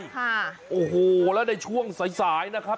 ค่ะโอ้โหแล้วในช่วงสายสายนะครับ